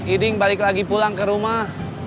iding balik lagi pulang ke rumah